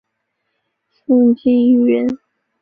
宋敬舆人。